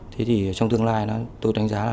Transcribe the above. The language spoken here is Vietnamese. thế thì trong tương lai tôi đánh giá là